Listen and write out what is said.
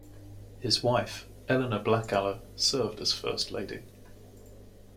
His wife Elena Blackaller served as first lady.